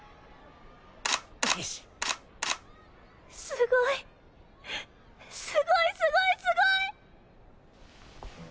すごいすごいすごいすごい。